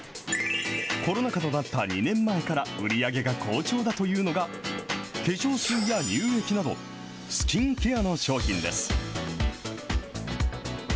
コロナ禍となった２年前から、売り上げが好調だというのが、化粧水や乳液など、スキンケアの商品です。